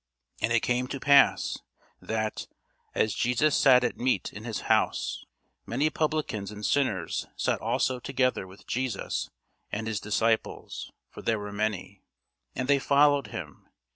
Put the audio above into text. And it came to pass, that, as Jesus sat at meat in his house, many publicans and sinners sat also together with Jesus and his disciples: for there were many, and they followed him.